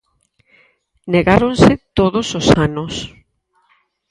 Negáronse todos os anos.